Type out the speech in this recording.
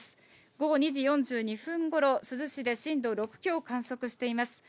午後２時４２分ごろ、珠洲市で震度６強を観測しています。